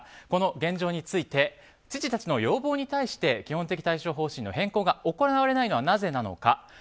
この現状について知事たちの要望に対して基本的対処方針の変更が行われないのはなぜなのか。